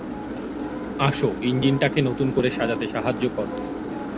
আসো, ইঞ্জিনটাকে নতুন করে সাজাতে সাহায্য করো।